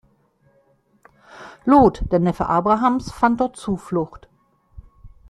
Lot, der Neffe Abrahams, fand dort Zuflucht.